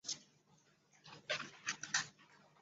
贡德勒克桑格。